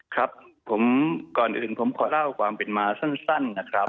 ครับก่อนอื่นผมขอเล่ากว่ามาสั้นนะครับ